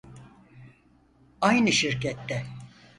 Aynı şirkette